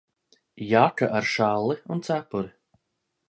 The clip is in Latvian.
Jaka ar šalli un cepuri.